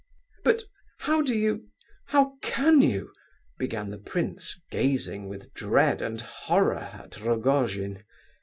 "But how do you, how can you—" began the prince, gazing with dread and horror at Rogojin.